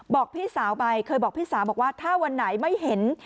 บอกพี่สาวไปเคยบอกพี่สาวบอกว่าถ้าวันไหนไม่เห็น